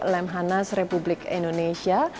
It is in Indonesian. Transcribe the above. lemhanas republik indonesia